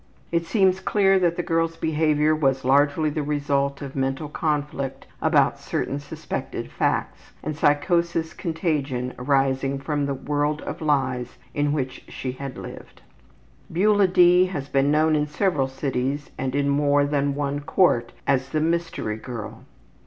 It seems clear that the girl's behavior was largely the result of mental conflict about certain suspected facts, and psychic contagion arising from the world of lies in which she had lived. Beula D. has been known in several cities and in more than one court as the ``mystery girl.''